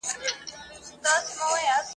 دوې هیلۍ وي له خپل سېله بېلېدلې ..